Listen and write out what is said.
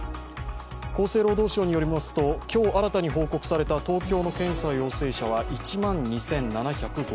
厚生労働省によりますと、今日新たに報告された東京都の検査陽性者は１万２７５８人。